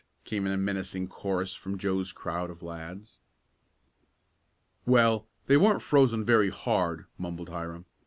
came in a menacing chorus from Joe's crowd of lads. "Well, they weren't frozen very hard," mumbled Hiram.